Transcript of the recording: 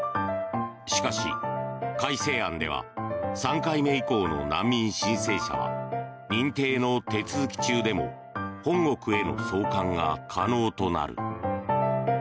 しかし、改正案では３回目以降の難民申請者は認定の手続き中でも本国への送還が可能となる。